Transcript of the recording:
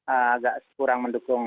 agak kurang mendukung